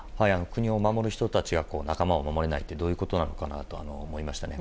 国を守る人たちが仲間を守れないってどういうことなのかなと思いましたね。